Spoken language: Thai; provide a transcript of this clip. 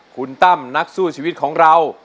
คุณตั้มนักสู้ชีวิตของเรา